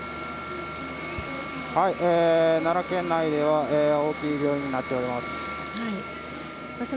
奈良県内では大きい病院になっています。